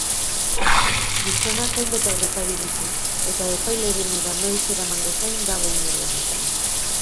Gizonak hainbat aurrekari ditu, eta epailerenera noiz eramango zain dago une honetan.